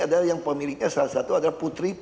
adalah yang pemiliknya salah satu adalah putri pak harto